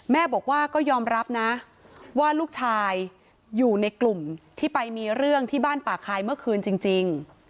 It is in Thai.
แม่บอกว่าก็ยอมรับนะว่าลูกชายอยู่ในกลุ่มที่ไปมีเรื่องที่บ้านป่าคายเมื่อคืนจริง